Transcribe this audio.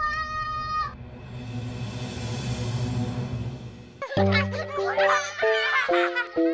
ada penyihir ya pak